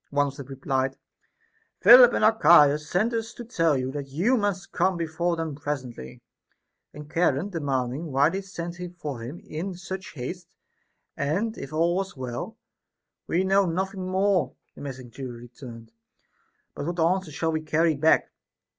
One of them replied, Philip and Archias sent us to tell you that you must come before them presently. And Charon demanding why they sent for him in such 416 A DISCOURSE CONCERNING haste, and if all was well ; We know nothing more, the messenger returned, but what answer shall we carryback'?